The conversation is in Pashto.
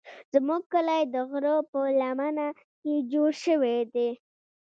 زموږ کلی د غره په لمنه کې جوړ شوی دی.